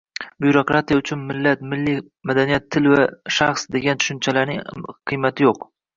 Byurokratiya uchun millat, milliy madaniyat, til va shaxs degan tushunchalarning qiymati yo‘q